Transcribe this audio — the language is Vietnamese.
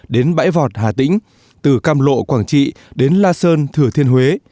đến bãi vọt hà tĩnh từ cam lộ quảng trị đến la sơn thừa thiên huế